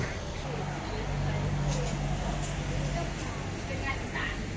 อันนี้ผมก็คิดเนี้ยลูกค้าสั่งแล้วจริงจริงชนาเนี้ย